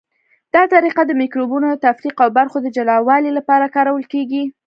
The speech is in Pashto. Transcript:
دا طریقه د مکروبونو د تفریق او برخو د جلاوالي لپاره کارول کیږي.